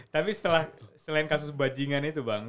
tapi setelah selain kasus bajingan itu bang